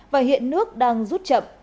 và hiện nước đang rút chậm